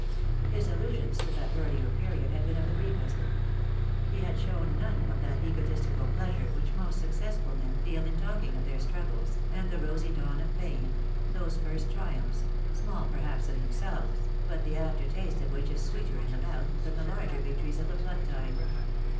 His allusions to that earlier period had been of the briefest. He had shown none of that egotistical pleasure which most successful men feel in talking of their struggles, and the rosy dawn of fame, those first triumphs, small perhaps in themselves, but the after taste of which is sweeter in the mouth than the larger victories of the flood tide.